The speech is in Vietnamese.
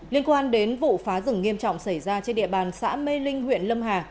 liên quan đến vụ phá rừng nghiêm trọng xảy ra trên địa bàn xã mê linh huyện lâm hà